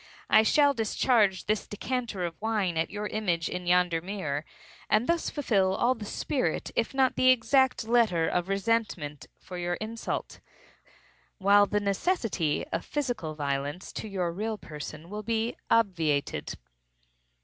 I shall discharge this decanter of wine at your image in yonder mirror, and thus fulfil all the spirit, if not the exact letter, of resentment for your insult, while the necessity of physical violence to your real person will be obviated."